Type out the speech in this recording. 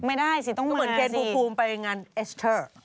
เหมือนเคนฟูฟูมไปงานเอสเทอร์